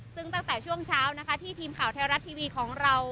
ซึ่งตั้งแต่ช่วงเช้านะคะที่ทีมข่าวไทยรัฐทีวีของเรา